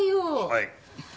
はい。